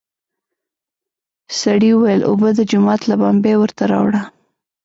سړي وويل: اوبه د جومات له بمبې ورته راوړه!